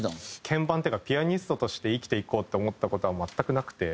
鍵盤っていうかピアニストとして生きていこうって思った事は全くなくて。